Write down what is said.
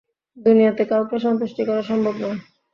দুনিয়াতে কাউকে সুন্তুষ্টি করা সম্ভব নয়।